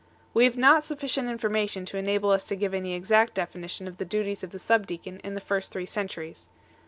We have not suffi cient information to enable us to give any exact definition of the duties of the subdeacon in the first three centuries.